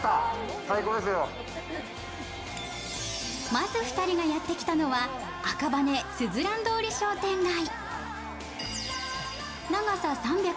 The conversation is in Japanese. まず二人がやってきたのは赤羽スズラン通り商店街。